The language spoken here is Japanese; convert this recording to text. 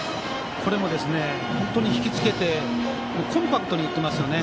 これも本当にひきつけてコンパクトに打っていますね。